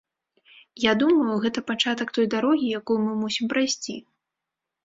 Я думаю, гэта пачатак той дарогі, якую мы мусім прайсці.